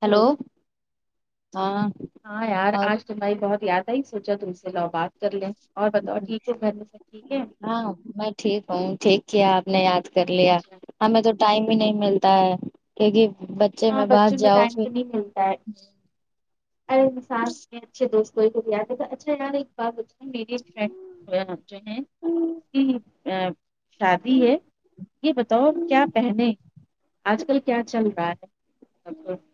hello ہاں ہاں یار اور آج تمہاری بہت یاد آئی سوچا تم سے لو بات کر لیں اور بتاؤ ٹھیک ہو گھر میں سب ٹھیک ہے ہاں میں ٹھیک ہوں ٹھیک کیا آپ نے یاد کر لیا ہمیں تو ٹائم ہی نہیں ملتا تا ہے کیونکہ بچے ہاں میں بس بچوں جاؤ ٹائم پھر ہر انسان کے اچھے دوست ضرور [unintelligible] جو ہے [unintelligible] اس کی شادی ہے یہ بتاؤ کیا پہنے آج کل کیا چل رہا ہے [unintelligible]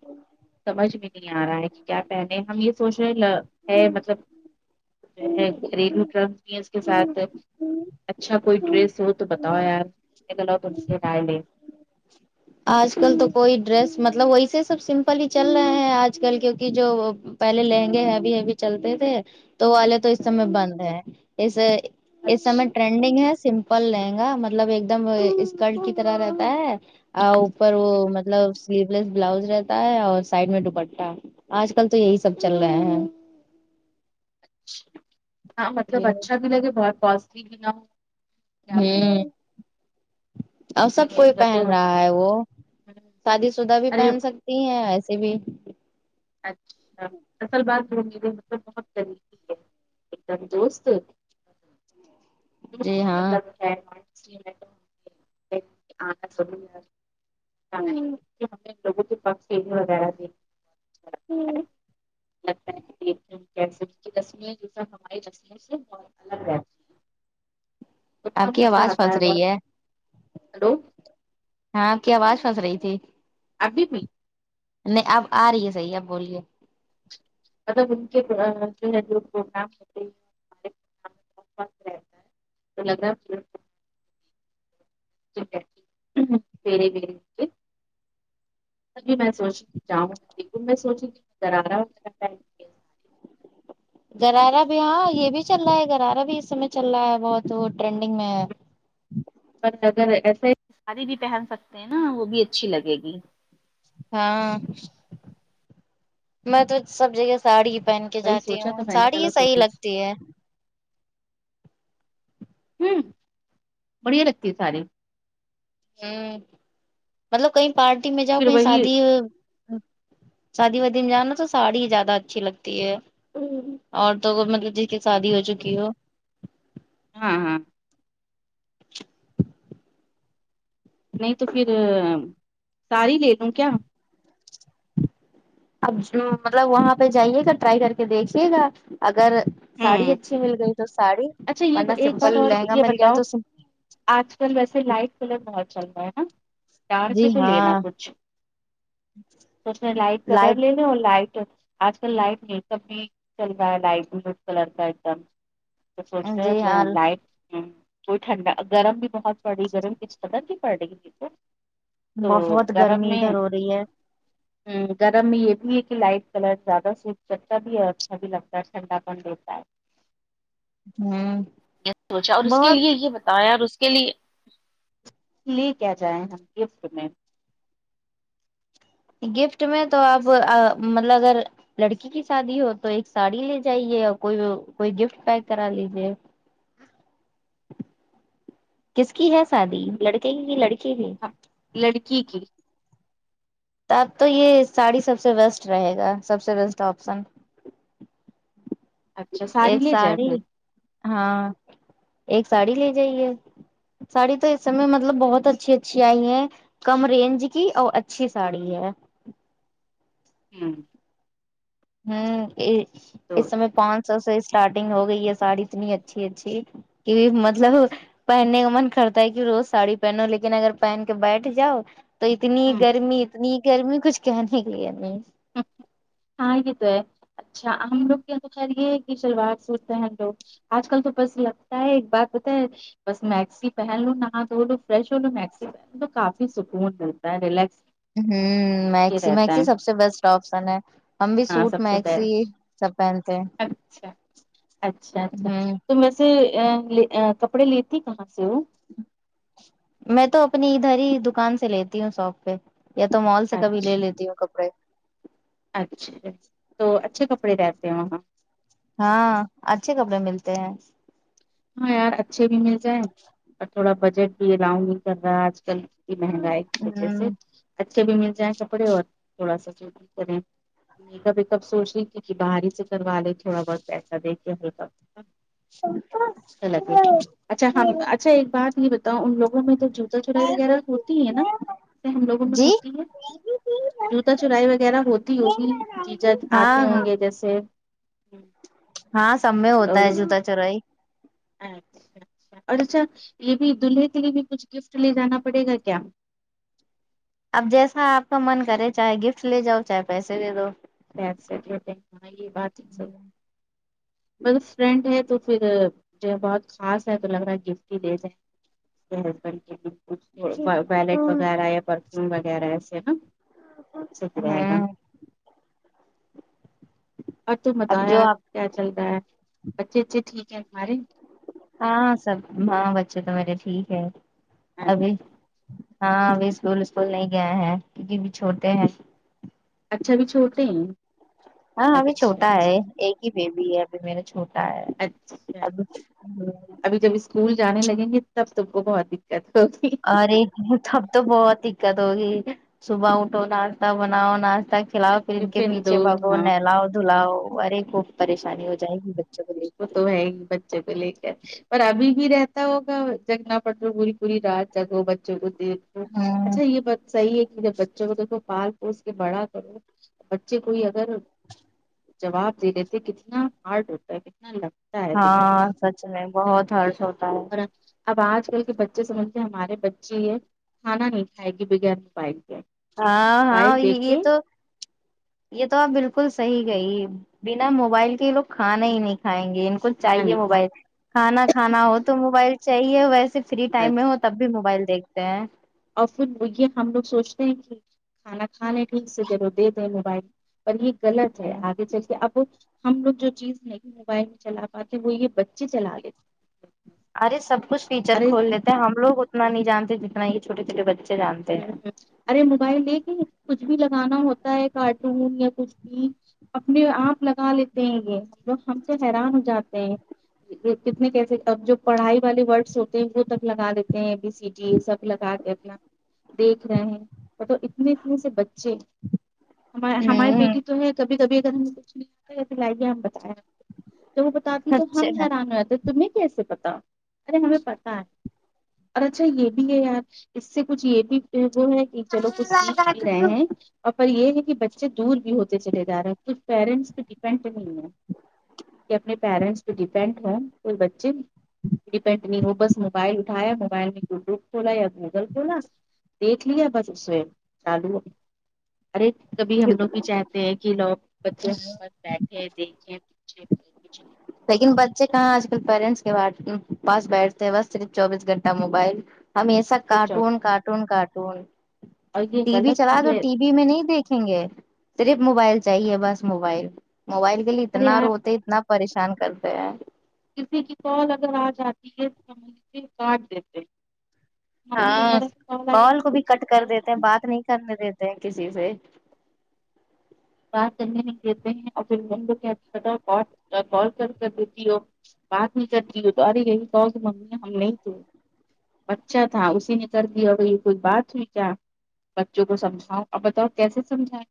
سمجھ میں نہیں آ رہا ہے کہ کیا پہنے ہم یہ سوچ رہے ہے مطلب گھریلو ٹرمز بھی ہے اس کے ساتھ اچھا کوئی ڈریس ہو تو بتاؤ یار ایک الوگ ان سے ڈال لیں آج کل تو کوئی ڈریس مطلب ویسے سب سمپل ہی چل رہے ہیں آج کل کیونکہ جو پہلے لہنگے ہیں ہیوی ہیوی چلتے تھے وہ والے تو اس سمے بند ہے اس اس سمے اچھا ٹرینڈنگ ہے سمپل لہنگا مطلب ایک دم وہ اسکرٹ کی طرح رہتا ہےاو پر وہ مطلب سلیو لیس بلاؤز رہتا ہے اور سائڈ میں ڈوپٹہ آج کل تو یہی سب چل رہا ہے ہاں مطلب اچھا بھی لگے بہت کاسٹلی بھی نہ ہو کیا کرنا ہوں اور سب یہ کوئی تو تو- پہن رہا ہے وہ ہوں، شادی شدہ بھی ارے پہن سک تی ہیں ایسے بھی اچھا اصل بات تو میرے مطلب بہت بہت قریبی ہے ایک دم دوست جی ہاں مطلب [inaudible] [inaudible] لگتا ہے [unintelligible] تو آپ بہت کی مزہ آواز آتا پھنس ہے بہت رہی ہلو ہاں آپ کی آواز پھس رہی تھی ابھی بھی نہیں اب آ رہی ہے صحیح اب بولیے [unintelligible] [unintelligible] [inaudible] [inaudible] گرارا بھی ہاں یہ بھی چل رہا ہے گرارا بھی اس سمے چل رہا ہے بہت وہ ٹرینڈنگ میں ہے پر اگر ایسے ساڑی بھی پہن سکتے ہیں نا وہ بھی اچھی لگے گی ہاں میں تو سب جگہ ساڑی ہی پہن وہی جاتی سوچا ہوں تو میں نے ساڑی ہی کہا تم صحیح لگتی ہے ہوں بڑھیا لگتی ہے ساری ہوں مطلب کہیں پارٹی میں جاؤ پھر کہیں وہی شادی شادی وادی میں جانا تو ساڑی ہی زیادہ اچھی لگتی ہے عورتوں کو مطلب جس شادی ہو چکی ہو ہاں ہاں نہیں تو پھر ساری لے لوں کیا اب مطلب وہاں پہ جائیے گا ٹرائی کر کے دیکھیے گا اگر ساڑی ہوں اچھی مل گئی تو ساڑی اچھا یہ ورنہ ایک بات سمپل اور لہنگا یہ مل گیا بتاؤ تو آج کل ویسے لائٹ کلر بہت چل رہا ہے نا ڈارک بھی جی تو ہاں لینا کچھ تو اس نے لائٹ کلر لے لائٹ آج کل لائٹ میک اپ بھی چل رہا ہے لائٹ کلر کا ایک دم تو سوچ رہے جی ہاں ہیں لائٹ ہمم کوئی ٹھنڈا گرم بھی بہت پڑ رہی ہے گرم کس قدار کی پڑ رہی ہے کیا تو بہت گرم گرمی میں ادھر ہو رہی ہے ہوں گرم میں یہ بھی ہے کہ لائٹ کلر زیادہ صرف چٹچا بھی ہے اور اچھا بھی لگتا ہے ٹھنڈا پن دیتا ہے ہوں سوچا اور اس کے لیے بہت یہ بتایا اور اس کے لیے لے کیا جائیں ہم گفٹ میں گفٹ میں تو آپ مطلب اگر لڑکی کی شادی ہو تو ایک ساڑی لے جائیے اور کوئی کوئی گفٹ پیک کرا لیجیے کس کی ہے شادی لڑکے کی کی لڑکی کی لڑکی کی تو اب تو یے ساڑی سب سے بیسٹ رہے گا سب سے بیسٹ آپسن اچھا ساری ایک لے جائیں ساڑی پھر ہاں ایک ساڑی لے جائیے ساڑی تو اس سمیے مطلب بہت اچھی اچھی آئی ہے کم رینج کی اور اچھی ساڑی ہے ہمم ہمم تو اس سمے پانچ سو سے اسٹارٹنگ ہو گئی ہے ساڑی اتنی اچھی اچھی کی مطلب پہننے کا من کرتا ہے کی روز ساڑی پہنو لیکن اگر پہن کے بیٹھ جاؤ تو اتنی ہ گرمی اتنی گرمی کچھ کہنے کے لیے نہیں ہاں یے تو ہے اچھا ہم لوگ کے یہا تو خیر یے شلوار سوٹ پہن لو آج کل تو بس لگتا ہے ایک بات بتاے بس میکسی پہن لو نہا دھولو فرش ہو لو مکسی پہنو تو کافی سکون ملتا ہے ریلکس ہمم میکسی میکسی سب سے بیسٹ آپسن ہے ہم بھی ہاں سوٹ سب سے میکسی بیسٹ سب پہنتے ہیں اچھا اچھا اچھا ہوں تم وسے آ کپڑے لے تی کہاں سے ہو میں تو اپنی ادھر ہی دکان سے لیتی ہوں ساپ پے یا تو مال سے کبھی لے اچھا لیتی ہوں کپڑے اچھا تو اچھے کپڑے رہتے ہیں وہاں ہاں اچھے کپڑے ملتے ہیں ہاں یار اچھے بھی مل جائیں اور تھوڑا بجٹ راؤنڈ کر رہا ہے آج کل مہنگائی کی وجہ ہ سے اچھے بھی مل جائیں کپڑے اور تھوڑا سا بھی کریں میکاپ ویکاپ سوچ رہی تھی کی باہرری ہی سے کروا لے تھوڑا بہت پیسہ دے کے ہلکا اچھا لگے [unintelligible] اچھا ہم اچھا ایک بات یے بتاؤں ان لوگوں میں تو جوتا چورائی وغیرہ ہوتی ہے نا ہم لوگوں میں جی ہوتی ہے جوتا چورائی وغیرہ ہوتی ہوگی جی جاجی آتے ہاں ہاں ہوں گے جیسے ہاں سب میں ہوتا اور ہے اس- جوتا چورائی اچھا اچھا اور اچھا یے بھی دلہے کے لیے بھی کچھ گفٹ لے جانا پڑے گا کیا اب جیسا آپ کا من کرے چاہے گفٹ لے جاؤ چاہے پیسے لے جاو پیسے لے لینا یے بات تو صحیح بس فرینڈ ہے تو فیر جو ہے بہت خاص ہے تو لگ رہا ہے گفٹ ہی لے جائیں اس کے ہسبینڈ کے لیے ویلٹ وغیرہ یا پرفیوم وغیرہ ایسے نا صحیح رہے گا ہوں اور تم بتاو اب جو یار آپ کیا چل رہا ہے بچے وچے ٹھیک ہے تمہارے ہاں سب ہاں بچے تو میرے ٹھیک ہے ابھی ہاں ابھی اسکول وسکول نہیں گئے ہیں کیونکی ابھی چھوٹے ہیں اچھا بھی چھوٹے ہیں ہاں ابھی اچھا چھوٹا ہے اچھا ایک ہی بیبی ہے میرا چھوٹا ہے اچھا اب ابھی جب اسکول جانے لگیں گے تب تب کو بہت دقت ہوگی ارے تب تو بہت دقت ہوگی صبح اٹھو ناشتہ بناؤ ناشتہ کھلاؤ فیر ان کے ٹفن پیھے دو بھگو ہاں نہلاؤ دھلاؤ ارے خوب پریشانی ہو جائے گی بچوں کو لے وہ کے تو ہے ہی بچ بچو کو لے کر پر ابھی بھی رہتا ہوگا جگنا پٹ پوری پوری رات جگو بچوں کو دیکھو ہاں اچھا یے بات صحی ہے کی جب بچوں کو دیک پال اس کے بڑا کرو بچے کوئی اگر جواب دے دیتے کتنا ہارڈ ہوتا ہے کتنا لگتا ہے دل کو ہاں سچ میں بہت ہارڈ ہوتا ہے اور اب آج کل کے بچے سمجھتے ہیں ہمارے بچے یہ کھانا نہیں کھائے گی بغیر موبائل کے ہاں ہاں موبائل یہ یہ دیکھے تو یہ تو آپ بلکل صحی گئی بنا موبائل کے یہ لوگ کھانا ہی نہیں کھائیں گے کھانا چاہیے نہیں کھا موبائل کھانا کھانا ہو تو موبائل چاہیے ویسے فری ٹائم میں بس ہو تب بھی موبائل دیکھتے ہیں اور پھر یہ ہم لوگ سوچتے ہیں کہ کھانا کھانے ٹھیک سے تو دے دیں موبائل پر یہ غلط ہے آگے چل کے آپ ہم لوگ جو چیز نہیں موبائل میں چلا پاتے وہ یہ بچے چلا لیتے ارے سب کچھ فیچر ارے کھول لیتے ہیں ہم لوگ اتنا نہیں جانتے جتنا یہ چوٹے چھوٹے بچے جانتے ارے موبائل دیک کےیں کچھ بھی لگانا ہوتا ہے کارٹون یا کچھ بھی اپنے آپ لگا لیتے ہیں یہ ہم لوگ ہم تو حیران ہو جاتے ہیں کتنے کیسے اب جو پڑھائی والے ورڈس ہوتے ہیں وہ تک لگا دیتے ہیں بی سی جی سب لگا اتنا دیکھ رہے ہیں ب اتنے اتنے سے بچے ہم ہیں ہماری ہوں بیٹی تو ہے کبھی کبھی اگر ہم کچھ نہیں ہم بتاائے تو وہ بتا تو ہم اچھا حیران رہتے تمیں کیسے پتا ارے ہمیں پتا ہے اور اچھا یہ بھی ہے اس سے کچھ یہ بھی وہ ہے کہ چلو کچھ سیکھ بھی رہے ہیں اور یہ ہے کہ بچے دور بھی ہوتے چلے جا رہے ہیں کچھ پیرنٹس پہ ڈیپینڈ نہیں ہے کہ اپنے پیرنٹس پہ ڈیپینڈ ہوں کوئی بچے ڈیپینڈ نہیں ہو بس موبائل اٹھایا موبائل میں گوگل کھولا یا گوگل ہنا دیکھ لیا بس اس میں چالو ارے کبھی ہم لوگ بھی چاہ کہ لوگ بچے بیٹھے دیکھیں پوچھیں لیکن بچے کہاں آج کل پیرنٹس کے پاس بیٹھتے ہیں بس صرف چوبیس گھنٹہ موبائل ہمیسا کچھ اور کارٹون کارٹون کارٹون یہ ٹی وی غلط چلا بھی تو ہے ٹی وی میں نہیں دیکھیں گے صرف موبائل چاہیے بس موبائل موبائل کے لیے ارے اتنا یار روتے اتنا پریش چان کرتے ہیں کسی کی کال اگر آ جاتی ہے ہم سے کاٹ دیتے ہیں ممی ہاں وغیرہ کی آ کال کو بھی کٹ کر دیتے ہیں جاتی ہے بات نہیں کرنے دیتے ہیں کسی سے بات کرنے ل لیتے ہیں اور پھر ان لو اچھ کال کر کر دیتی ہو بات نہیں کرتی ہو تو ارے یہی کہو کہ ممی ہم نہیں تو اچھا تھا اسی نے کر دیا بھائی کوئی بات ہوئی کیا بچوں کو سمجھاؤ اور بتاؤ کیس سمجھائیں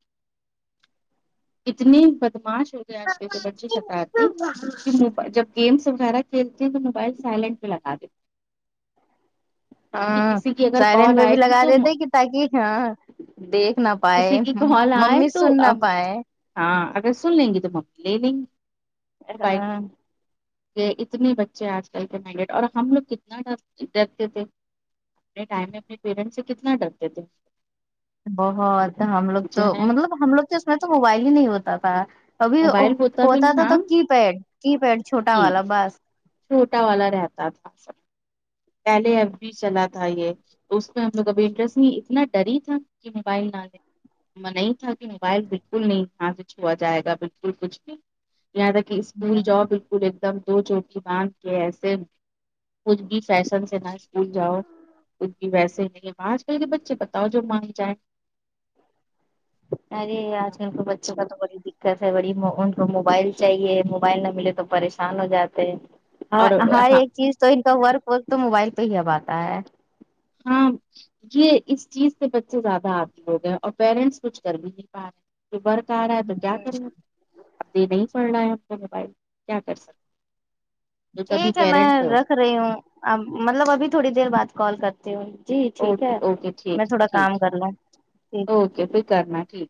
اتنی بدماش ہو گئے آج کل کے بچی ست آتی کہ م جب گیمس وغیرہ کھیلتے ہیں تو موبائل سائلنٹ بھیہ لگا دیتے کہ ہاں کسی کی اگر سائلینٹ کال پہ بھی آئے گی لگا تو دیتے م- کہ تاکہ ہاں دیکھ نہ پائے کسی کی کال آئے ممی تو سن نہ اب پائے ہاں اگر سن لیں گی تو لے لیں گے بائے ہاں کہ اتنے بچے آج کل کے مڈٹ اور ہم لوگ کتنا ڈھتے تھے اپنے ٹائم میں اپنے پیرنٹس سے کتنا ڈرتے تھے بہت ہم لوگ جو تو ہے مطلب ہم لوگ تو اس میں تو موبائل ہی نہیں ہوتا تھا ابھی موبائل بھی ہوتا نہیں، تھا تو ہاں کی پیڈ کی پیڈ چھوٹا کہ والا بس چھوٹا والا رہتا تھا سب پہلے اب بھی چلا تھا یہ تو اس میں ہم لوگ ابھی انٹرسٹ نہیں اتنا ڈر تھا کہ موبائل نہ لیں نہیں تھا کہ موبائل بالکل نہیں یہاں سے چھوا جائے گا بالکل کچھ بھی یہاں تک کہ اسکول جاؤ بالکل ایک دم دو چوک کی مانگ کے ایسے ک سیشن سے نہ اسکول جاؤ کچھ بھی ویسے نہیں ہے آج کل کے بچے بتاؤ جو مانگ جائے ارے آج کل کے بچوں کا تو بڑی دقت ہے بڑی ان کو موبائل چاہیے موبائل نہ ملے تو پریشان آان ہو جاتے اور ہر ہاں ایک چیز تو ان کا ورک ورک تو موبائل پہ ہی ہب آتا ہے ہاں یہ اس چیز سے بچے زیادہ آتی ہو گئے اور پیرنٹس کچھ کر بھی نہیں پا رہے برک آ رہا ہے تو کیا کرنا اب د نہیں پڑھنا ہے آ کو موبائل کیا کر سکتے تو ٹھیک تبھی ہے میں پیرنٹس رکھ رہی ہوں اب مطلب ابھی تھوڑی دیر بعد کال کرتی ہوں جی ٹھیک اوکے ہے اوکے میں ٹھیک ہے تھوڑا ٹھیک کام کر لوں ٹھیک ہے اوکے ٹیک پھر کرنا ٹھیک